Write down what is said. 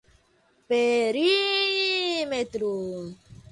perímetro